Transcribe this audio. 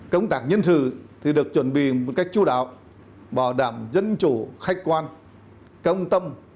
công tác nhân sự được chuẩn bị một cách chú đạo bảo đảm dân chủ khách quan công tâm